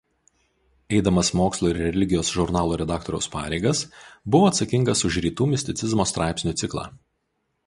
Eidamas „Mokslo ir religijos“ žurnalo redaktoriaus pareigas buvo atsakingas už Rytų misticizmo straipsnių ciklą.